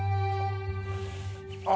あ！